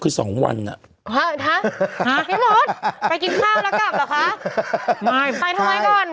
คือสองวันอ่ะพี่มดไปกินข้าวแล้วกลับเหรอคะไม่ไปทำไมก่อน